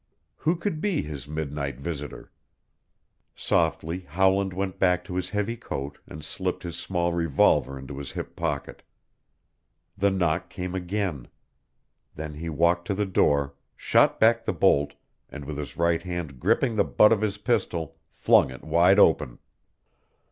Who could be his midnight visitor? Softly Howland went back to his heavy coat and slipped his small revolver into his hip pocket. The knock came again. Then he walked to the door, shot back the bolt, and, with his right hand gripping the butt of his pistol, flung it wide open.